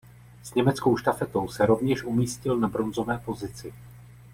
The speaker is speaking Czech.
S německou štafetou se rovněž umístil na bronzové pozici.